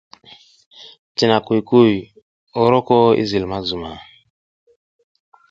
Cina kuy kuy, oryoko i zil ma zuma.